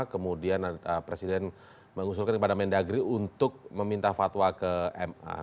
kemudian presiden mengusulkan kepada mendagri untuk meminta fatwa ke ma